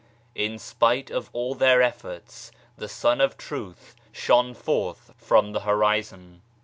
In spite of all their efforts the Sun of Truth shone forth from the Horizon.